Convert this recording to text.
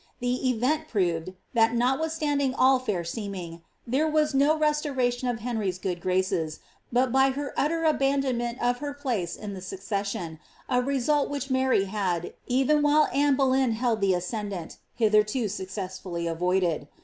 The event proved, that notwithstanding all fair teeming, there was no restoration to Henry's good graces, but by her utter abandonment of her place in the succession — a result which Mary had, even while Anne Boleyn held the ascendant, hitherto successfully avoided.